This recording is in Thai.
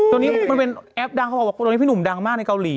ตรงนี้มันเป็นแอปดังเขาบอกว่าตอนนี้พี่หนุ่มดังมากในเกาหลี